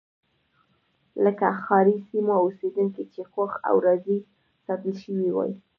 لکه ښاري سیمو اوسېدونکي چې خوښ او راضي ساتل شوي وای.